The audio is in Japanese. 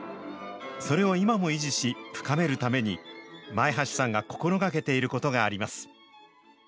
それを今も維持し、深めるために、前橋さんが心がけていることがあります。